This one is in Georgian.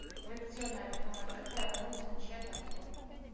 ლექციონარი ხელნაწერთა ეროვნულ ცენტრშია დაცული.